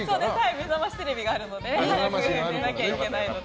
「めざましテレビ」があるので寝なきゃいけないので。